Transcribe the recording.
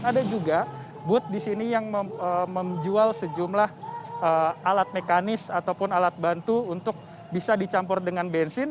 ada juga booth di sini yang menjual sejumlah alat mekanis ataupun alat bantu untuk bisa dicampur dengan bensin